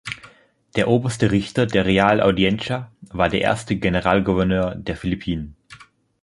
Der oberste Richter der Real Audiencia war der erste Generalgouverneur der Philippinen.